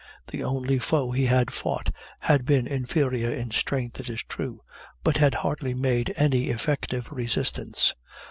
The only foe he had fought had been inferior in strength, it is true, but had hardly made any effective resistance.